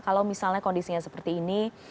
kalau misalnya kondisinya seperti ini